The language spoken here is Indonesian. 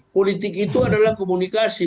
politik itu adalah komunikasi